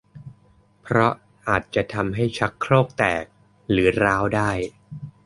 เพราะอาจะทำให้ชักโครกแตกหรือร้าวได้